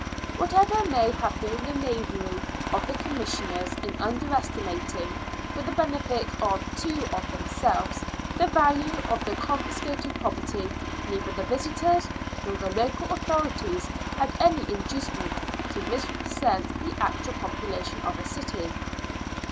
Whatever may have been the knavery of the Commissioners in underestimating, for the benefit of two of themselves, the value of the con fiscated property, neither the visitors nor the local authori ties had any inducement to misrepresent the actual popu lation of a city.